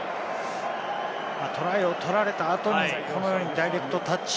トライを取られた後に、このようにダイレクトタッチ。